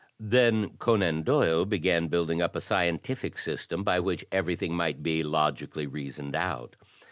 Then Conan Doyle began building up a scientil&c system by which everything might be logically reasoned out.